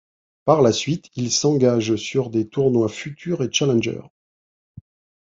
Par la suite, il s'engage sur des tournois Futures et Challenger.